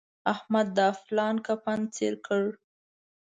احمد دا پلا کفن څيرې کړ.